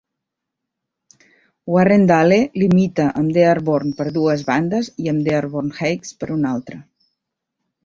Warrendale limita amb Dearborn per dues bandes i amb Dearborn Heights per una altra.